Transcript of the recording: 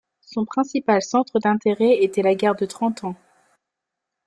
Son principal centre d'intérêt était la Guerre de Trente Ans.